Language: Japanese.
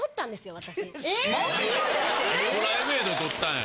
プライベートで撮ったんや。